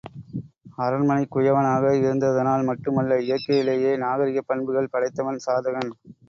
அரண்மனைக் குயவனாக இருந்ததனால் மட்டுமல்ல இயற்கையிலேயே நாகரிகப் பண்புகள் படைத்தவன் சாதகன்.